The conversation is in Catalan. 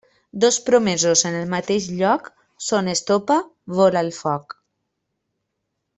Dos promesos en el mateix lloc són estopa vora el foc.